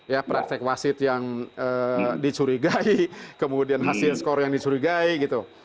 ya praktek wasit yang dicurigai kemudian hasil skor yang dicurigai gitu